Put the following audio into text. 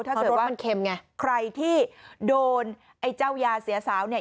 ถ้าจะรสมันเค็มไงใครที่โดนไอ้เจ้ายาเสียสาวเนี่ย